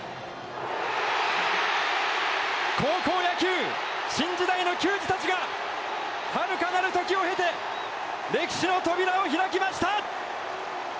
高校野球、新時代の球児たちがはるかなる時を経て歴史の扉を開きました！